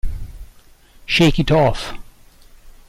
Shake It Off